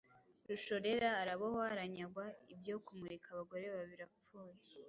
Rushorera arabohwa, aranyagwa. Ibyo kumurika abagore biba birapfuye